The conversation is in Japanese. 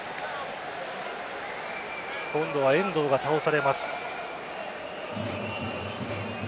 今度は遠藤が倒されます。